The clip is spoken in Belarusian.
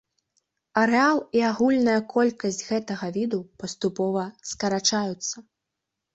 Арэал і агульная колькасць гэтага віду паступова скарачаюцца.